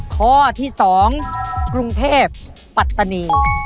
ข้อที่๒กรุงเทพปัตตานี